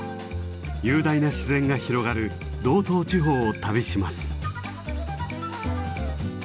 雄大な自然が広がる道東地方を旅します。